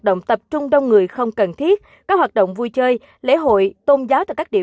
động tập trung đông người không cần thiết các hoạt động vui chơi lễ hội tôn giáo tại các địa